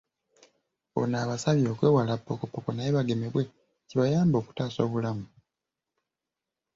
Ono abasabye okwewala ppokoppoko naye bagemebwe, kibayambe okutaasa obulamu.